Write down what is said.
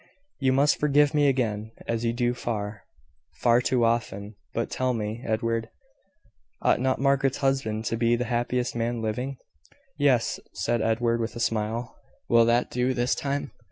"You must forgive me again, as you do far, far too often. But tell me, Edward, ought not Margaret's husband to be the happiest man living?" "Yes," said Edward, with a smile. "Will that do this time?"